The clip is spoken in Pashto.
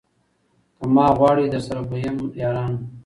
که ما غواړی درسره به یم یارانو